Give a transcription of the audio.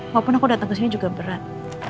walaupun aku dateng kesini juga berat